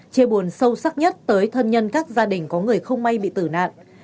chia buồn sâu sắc nhất tới thân nhân các gia đình có người không may bị tử nạn